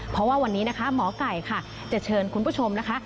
เพราะว่าวันนี้นะคะหมอไก่ค่ะจะเชิญคุณผู้ชมนะคะ